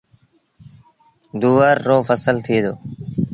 دوُور رو ڦسل ٿئي دو۔